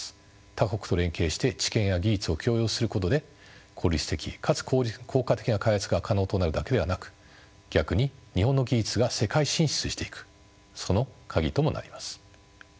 他国と連携して知見や技術を共有することで効率的かつ効果的な開発が可能となるだけではなく逆に日本の技術が世界進出していくそのカギともなります。